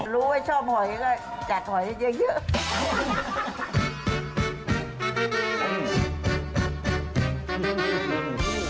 รู้ว่าชอบหอยก็จัดหอยเยอะ